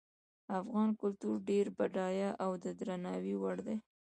افغان کلتور ډیر بډایه او د درناوي وړ ده